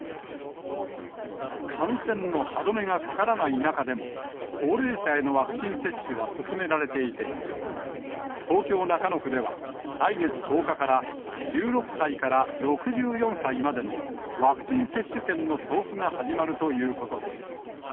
感染の歯止めがかからない中でも、高齢者へのワクチン接種は進められていて、東京・中野区では、来月１０日から、１６歳から６４歳までのワクチン接種券の送付が始まるということです。